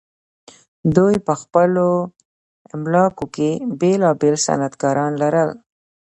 دوی په خپلو املاکو کې بیلابیل صنعتکاران لرل.